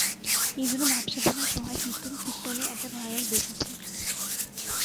এজন্য ভাবসাধনার সহায় কীর্তন-ফীর্তনের একটা ভয়ানক দোষ আছে।